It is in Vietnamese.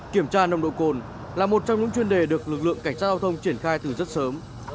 kiểm tra nồng độ cồn là một trong những chuyên đề được lực lượng cảnh sát giao thông triển khai từ rất sớm